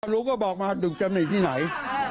รู้ก็บอกมาตำหนิตรงที่ไหน